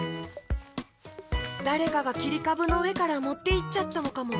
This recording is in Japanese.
だれかがきりかぶのうえからもっていっちゃったのかも。